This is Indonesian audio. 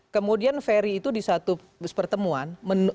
kemudian ferry itu di satu pertemuan